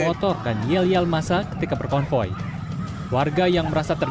itu ngambil esnya di sini dibanting di sini